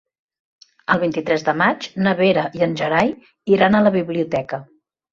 El vint-i-tres de maig na Vera i en Gerai iran a la biblioteca.